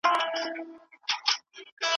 که ماوس وي نو کنټرول نه غلطیږي.